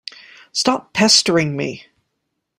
Stop pestering me!